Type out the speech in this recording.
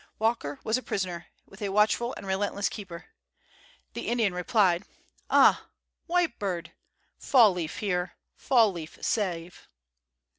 Walker was a prisoner, with a watchful and relentless keeper. The Indian replied: "Ah, White Bird! Fall leaf here! Fall leaf save!"